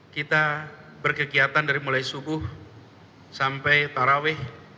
kita berkegiatan dari mulai subuh sampai taraweh